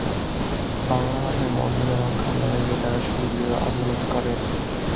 বাংলা ভাষার মর্যাদা রক্ষার লড়াইয়ে তাঁরা সুদৃঢ় আন্দোলন করেন।